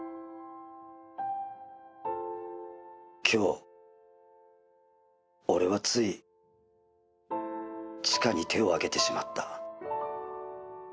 「今日俺はつい千華に手を上げてしまった」